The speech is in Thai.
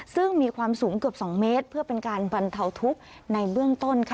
ซึ่งมีความสูงเกือบ๒เมตรเพื่อเป็นการบรรเทาทุกข์ในเบื้องต้น